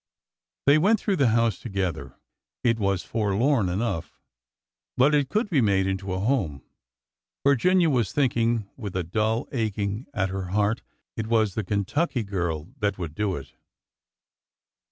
They went through the house together. It was forlorn enough, but — it could be made into a home, Virginia was thinking with a dull aching at her heart. It was the Ken tucky girl that would do it.